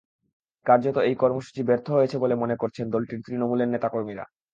কার্যত এই কর্মসূচি ব্যর্থ হয়েছে বলে মনে করছেন দলটির তৃণমূলের নেতা কর্মীরা।